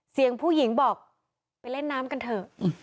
เสียงผู้หญิงบอกไปเล่นน้ำกันเถอะ